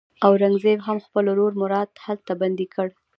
اورنګزېب هم خپل ورور مراد هلته بندي کړ.